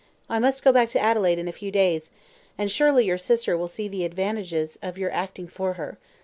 I must go back to Adelaide in a few days, and surely your sister will see the advantages of your acting for her.